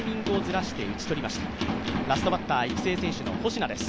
ラストバッター・育成選手の保科です。